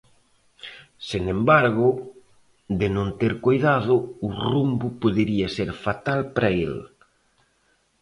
Sen embargo, de non ter coidado, o rumbo podería ser fatal para el.